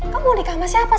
kamu mau nikah sama siapa